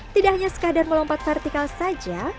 tidak hanya sekadar melompat vertikal saja